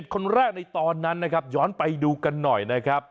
คนแรกในตอนนั้นนะครับย้อนไปดูกันหน่อยนะครับ